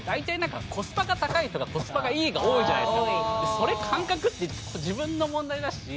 それ感覚って自分の問題だし。